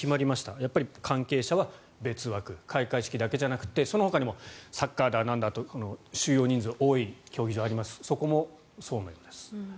やっぱり関係者は別枠開会式だけじゃなくてそのほかにもサッカーだなんだと収容人数が多い競技場もありますがそこもそうなります。